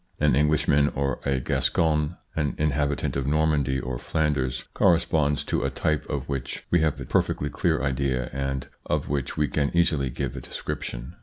An Englishman or a Gascon, an inhabitant of Normandy or Flanders, corresponds to a type of which we have a perfectly clear idea and of which we can easily give a description.